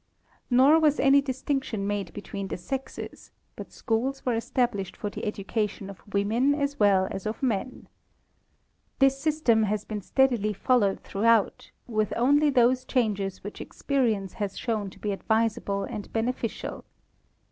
Nor was any distinction made between the sexes, but schools were established for the education of women as well asof men. This system has been steadily followed throughout, with only those changes which experience has shown to be advisable and bene ficial.